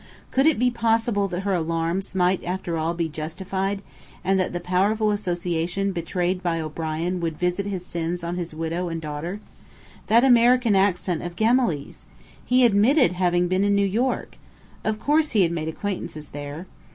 Could it be possible that her alarms might after all be justified, and that the powerful association betrayed by O'Brien would visit his sins on his widow and daughter? That American accent of Gemály's! He admitted having been in New York. Of course, he had made acquaintances there.